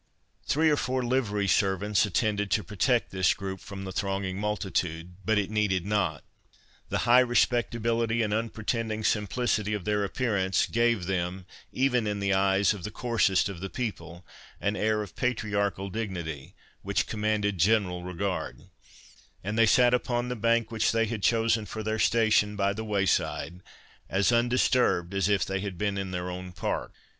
Three or four livery servants attended to protect this group from the thronging multitude, but it needed not. The high respectability and unpretending simplicity of their appearance gave them, even in the eyes of the coarsest of the people, an air of patriarchal dignity, which commanded general regard; and they sat upon the bank which they had chosen for their station by the way side, as undisturbed as if they had been in their own park.